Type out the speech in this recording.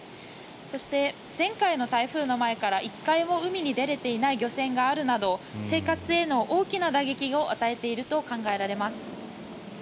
そして、前回の台風の前から１回も海に出れていない漁船もあるなど生活へ大きな打撃を与えていると考えられます。